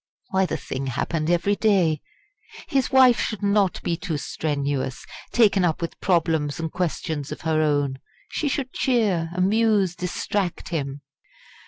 why the thing happened every day. His wife should not be too strenuous, taken up with problems and questions of her own. She should cheer, amuse, distract him.